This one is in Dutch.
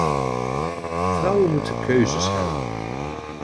Vrouwen moeten keuzes hebben.